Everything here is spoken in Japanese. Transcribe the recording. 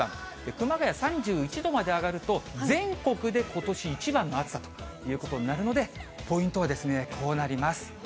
熊谷３１度まで上がると、全国でことし一番の暑さということになるので、ポイントはですね、こうなります。